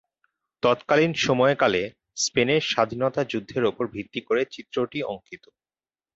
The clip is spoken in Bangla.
তৎকালীন সময়কালে স্পেনের স্বাধীনতা যুদ্ধের উপর ভিত্তি করে চিত্রটি অঙ্কিত।